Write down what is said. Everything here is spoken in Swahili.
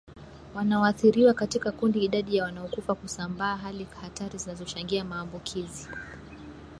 wanaoathiriwa katika kundi idadi ya wanaokufa kusambaa hali hatari zinazochangia maambukizi